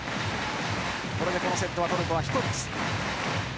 これでこのセットトルコは一つ。